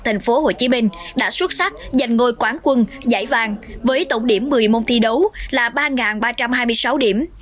thành phố hồ chí minh đã xuất sắc giành ngôi quán quân giải vàng với tổng điểm một mươi môn thi đấu là ba ba trăm hai mươi sáu điểm